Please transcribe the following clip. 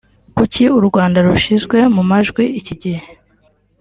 kuki U Rwanda rushyizwe mu majwi iki gihe